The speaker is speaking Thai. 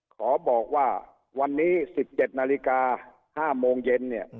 ขอบอกว่าวันนี้๑๗นาฬิกา๕โมงเย็นเนี่ย